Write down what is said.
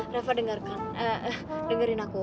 reva dengerin aku